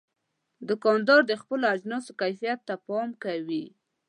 دوکاندار د خپلو اجناسو کیفیت ته پام کوي.